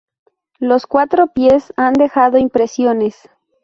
Los cuatro pies han dejado impresiones.